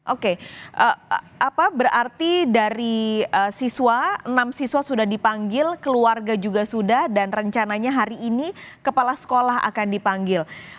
oke apa berarti dari siswa enam siswa sudah dipanggil keluarga juga sudah dan rencananya hari ini kepala sekolah akan dipanggil